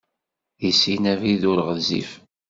Deg sin abrid ur ɣezzif.